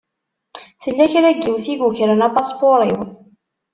Tella kra n yiwet i yukren apaspuṛ-iw.